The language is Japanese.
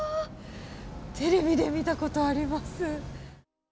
テレビで見たことあります。